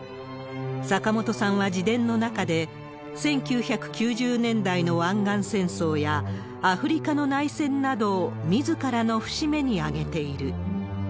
坂本さんは自伝の中で、１９９０年代の湾岸戦争や、アフリカの内戦などをみずからの節目に挙げている。